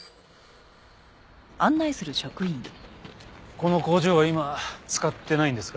この工場は今使ってないんですか？